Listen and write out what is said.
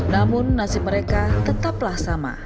namun nasib mereka tetaplah sama